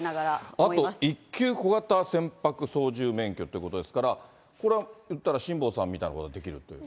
あと一級小型船舶操縦免許ということですから、これは、言ったら辛坊さんみたいなことができるということ？